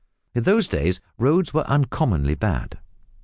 In those days roads were uncommonly bad.